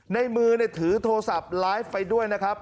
ในมือถือโทรศัพท์ไลฟ์ไปด้วยนะครับ